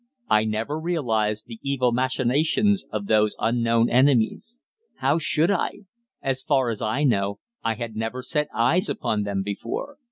I never realized the evil machinations of those unknown enemies. How should I? As far as I know, I had never set eyes upon them before."